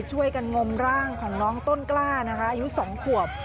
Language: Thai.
ช่วยกันงมร่างของน้องต้นกล้านะคะอายุ๒ขวบ